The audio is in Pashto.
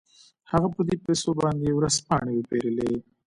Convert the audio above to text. هغه په دې پيسو باندې ورځپاڼې وپېرلې.